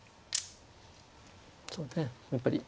そうねやっぱり。